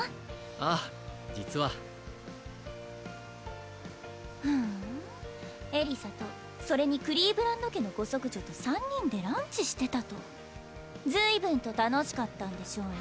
ああ実はふんエリサとそれにクリーヴランド家のご息女と３人でランチしてたと随分と楽しかったんでしょうね